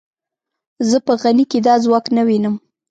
زه په غني کې دا ځواک نه وینم.